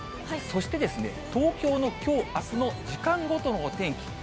そして、東京のきょう、あすの時間ごとのお天気。